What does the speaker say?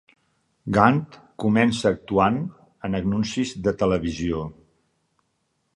Gant comença actuant en anuncis de televisió.